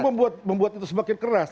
dan itu membuat itu semakin keras